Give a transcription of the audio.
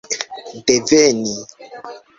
deveni